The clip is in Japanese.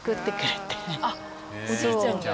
あっおじいちゃんが？